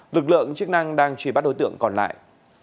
lực lượng chức năng đang truy bắt đối tượng còn lại